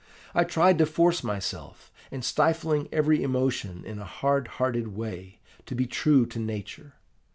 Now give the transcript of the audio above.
I tried to force myself, and, stifling every emotion in a hard hearted way, to be true to nature.